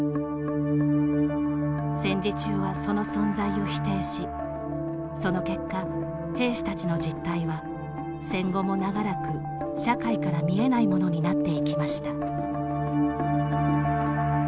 戦時中は、その存在を否定しその結果、兵士たちの実態は戦後も長らく社会から見えないものになっていきました。